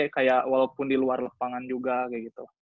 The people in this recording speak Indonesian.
kayak walaupun di luar lapangan juga kayak gitu